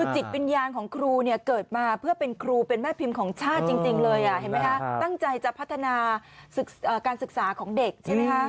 จิตวิญญาณของครูเนี่ยเกิดมาเพื่อเป็นครูเป็นแม่พิมพ์ของชาติจริงเลยเห็นไหมคะตั้งใจจะพัฒนาการศึกษาของเด็กใช่ไหมคะ